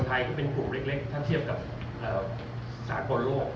คนไทยก็เป็นกลุ่มเล็กถ้าเทียบกับศาสตร์บนโลก